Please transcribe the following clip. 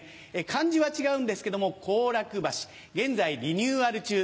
漢字は違うんですけども後楽橋現在リニューアル中。